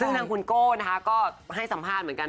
ซึ่งทางคุณโก้นะคะก็ให้สัมภาษณ์เหมือนกัน